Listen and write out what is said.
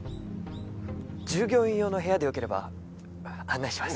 従業員用の部屋でよければ案内します。